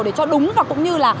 để cho đúng và cũng như là